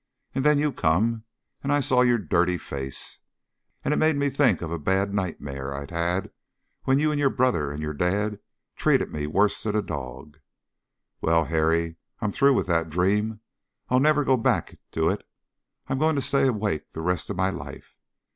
And then you come, and I saw your dirty face, and it made me think of a bad nightmare I'd had when you and your brother and your dad treated me worse'n a dog. Well, Harry, I'm through with that dream. I'll never go back to it. I'm going to stay awake the rest of my life.